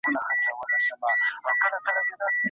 خېمې بې سیوري نه وي.